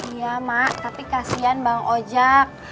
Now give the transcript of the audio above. iya mak tapi kasihan bang ojak